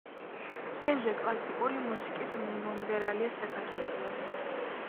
ელზა კლასიკური მუსიკის მომღერალია საქართველოდან.